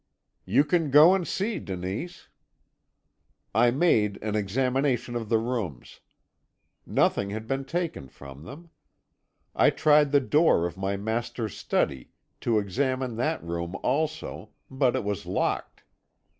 "'You can go and see, Denise.' "I made an examination of the rooms. Nothing had been taken from them. I tried the door of my master's study to examine that room also, but it was locked.